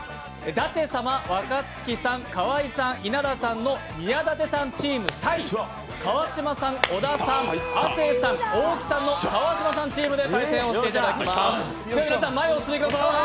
舘様、若槻さん、河井さん、稲田さんの宮舘チーム、川島さん、小田さん、亜生さん、大木さんの川島さんチームで対戦をしていただきます。